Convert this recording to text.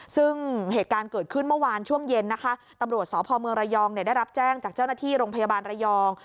ซึ่งเหตุการณ์เกิดขึ้นเมื่อวานช่วงเย็นนะคะตำรวจสพเมืองระยองได้รับแจ้งจากเจ้าหน้าที่โรงพยาบาลระยอง